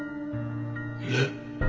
いえ。